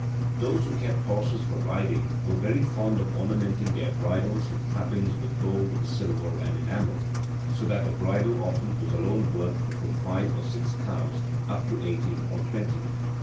Those who kept horses for riding were very fond of ornamenting their bridles and trappings with gold, silver, and enamel: so that the bridle alone was often worth from five or six cows up to eighteen or twenty.